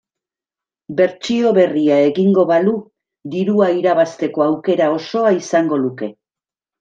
Bertsio berria egingo balu dirua irabazteko aukera osoa izango luke.